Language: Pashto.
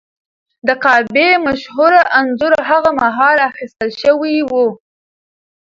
د کعبې مشهور انځور هغه مهال اخیستل شوی و.